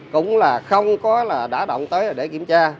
cũng không có đã động tới để kiểm tra